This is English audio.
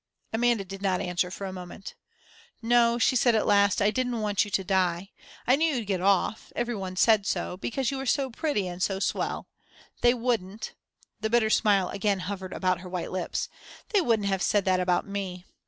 Amanda did not answer for a moment. "No," she said at last, "I didn't want you to die. I knew you'd get off every one said so because you were so pretty and so swell. They wouldn't" the bitter smile again hovered about her white lips "they wouldn't have said that about me.